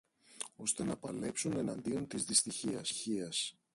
ώστε να παλέψουν εναντίον της δυστυχίας